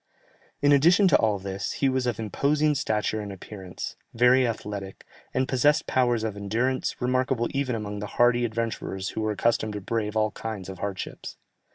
In addition to all this, he was of imposing stature and appearance, very athletic, and possessed powers of endurance, remarkable even among the hardy adventurers who were accustomed to brave all kinds of hardships.